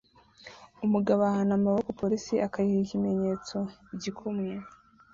Umugabo ahana amaboko police akayiha ikimenyetso "igikumwe"